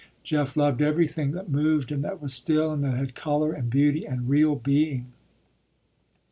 Jeff loved everything that moved and that was still, and that had color, and beauty, and real being.